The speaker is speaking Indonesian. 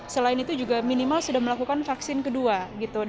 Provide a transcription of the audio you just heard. selain itu juga minimal sudah melakukan vaksinasi